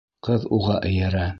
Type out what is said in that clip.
Ҡыҙ уға эйәрә.